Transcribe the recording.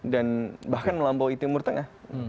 dan bahkan melampaui timur tengah